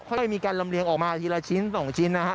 ค่อยมีการลำเลี้ยงออกมาทีละชิ้น๒ชิ้นนะครับ